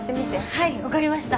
はい分かりました。